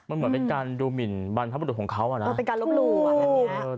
มันเหมือนเป็นการดูหมินบรรพบุรุษของเขาอ่ะนะเป็นการลบหลู่แบบนี้